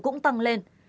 cũng tăng lên